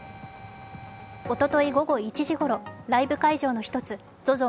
おととい午後１時ごろ、ライブ会場の一つＺＯＺＯ